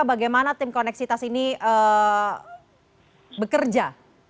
bagaimana tim koneksitas ini bekerja